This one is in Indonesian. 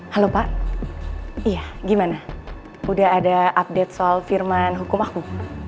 halo pak iya gimana udah ada update soal firman hukum aku